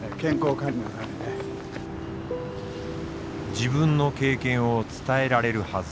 自分の経験を伝えられるはず。